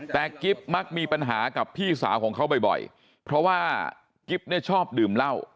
แต่กิ๊บมักมีปัญหากับพี่สาวของเขาบ่อยเพราะว่ากิ๊บเนี่ยชอบดื่มเหล้า